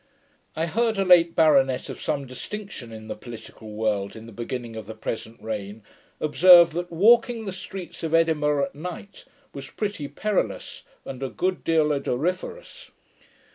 I heard a late baronet, of some distinction in the political world in the beginning of the present reign, observe, that 'walking the streets of Edinburgh at night was pretty perilous, and a good deal odoriferous'.